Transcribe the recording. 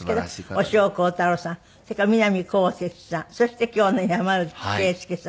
押尾コータローさんそれから南こうせつさんそして今日の山内惠介さん